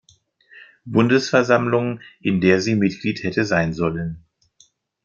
Bundesversammlung, in der sie Mitglied hätte sein sollen.